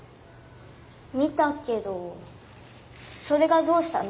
見たけどそれがどうしたの？